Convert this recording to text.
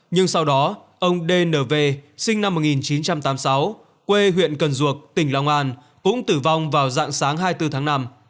nhưng sau đó ông dnv sinh năm một nghìn chín trăm tám mươi sáu quê huyện cần duộc tỉnh long an cũng tử vong vào dạng sáng hai mươi bốn tháng năm